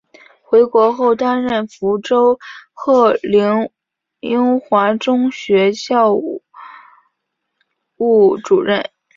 回国后担任福州鹤龄英华中学校务主任。